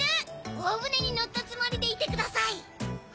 大船に乗ったつもりでいてください。